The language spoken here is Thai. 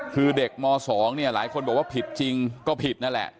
คือเด็กม๒เนี่ยหลายคนบอกว่าผิดจริงก็ผิดนั่นแหละ